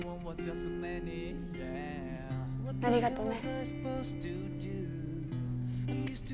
ありがとね。